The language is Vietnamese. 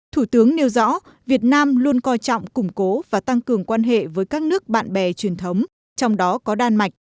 thủ tướng nêu rõ việt nam luôn coi trọng củng cố và tăng cường quan hệ với các nước bạn bè truyền thống trong đó có đan mạch